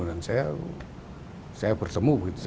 dan saya bertemu begitu saja